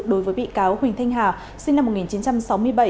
đối với bị cáo huỳnh thanh hà sinh năm một nghìn chín trăm sáu mươi bảy